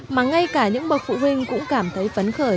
mà ngay cả những bậc phụ huynh cũng cảm thấy phấn khởi